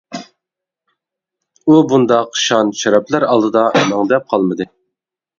ئۇ بۇنداق شان-شەرەپلەر ئالدىدا مەڭدەپ قالمىدى.